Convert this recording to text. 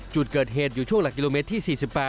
จุดเกิดเหตุอยู่ช่วงหลักกิโลเมตรที่๔๘